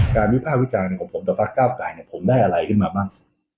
วิภาควิจารณ์ของผมต่อพักเก้าไกรผมได้อะไรขึ้นมาบ้าง